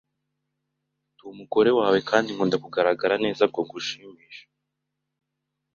Ndi umugore wawe kandi nkunda kugaragara neza kugirango ngushimishe.